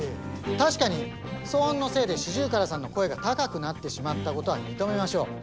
確かに騒音のせいでシジュウカラさんの声が高くなってしまったことは認めましょう。